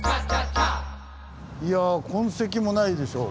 いや痕跡もないでしょう。